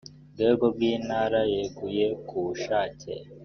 rwego rw intara yeguye ku bushake